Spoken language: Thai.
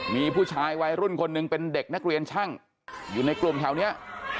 มีผู้ชายวัยรุ่นคนหนึ่งเป็นเด็กนักเรียนช่างอยู่ในกลุ่มแถวนี้